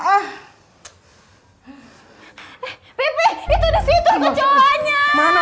pih pih itu di situ kecoanya